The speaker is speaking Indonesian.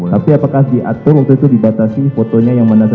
tapi apakah diatur waktu itu dibatasi fotonya yang mana